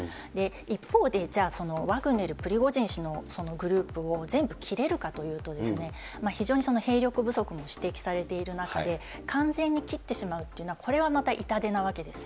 一方で、じゃあ、そのワグネル、プリゴジン氏のグループを全部切れるかというと、非常に兵力不足も指摘されている中で、完全に切ってしまうっていうのは、これはまた痛手なわけです。